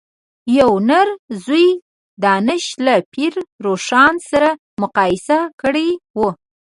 یوه نر ځوی دانش له پير روښان سره مقايسه کړی و.